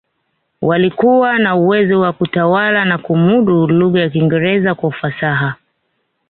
Waliokuwa na uwezo wa kutawala na kumudu lugha ya Kiingereza kwa ufasaha